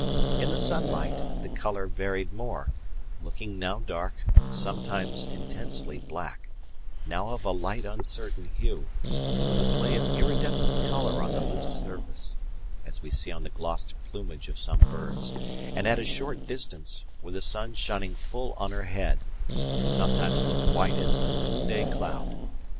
In the sunlight the colour varied more, looking now dark, sometimes intensely black, now of a light uncertain hue, with a play of iridescent colour on the loose surface, as we see on the glossed plumage of some birds; and at a short distance, with the sun shining full on her head, it sometimes looked white as a noonday cloud.